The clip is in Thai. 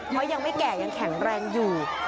เพราะยังไม่แก่ยังแข็งแรงอยู่